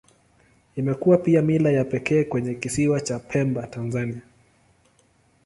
Imekuwa pia mila ya pekee kwenye Kisiwa cha Pemba, Tanzania.